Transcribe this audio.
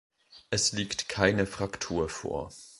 Es liegt keine Fraktur vor.